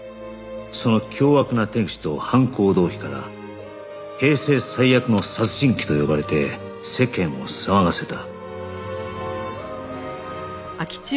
その凶悪な手口と犯行動機から「平成最悪の殺人鬼」と呼ばれて世間を騒がせた